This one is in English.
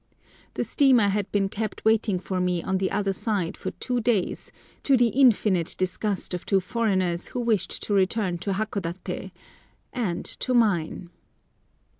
The steamer had been kept waiting for me on the other side for two days, to the infinite disgust of two foreigners, who wished to return to Hakodaté, and to mine.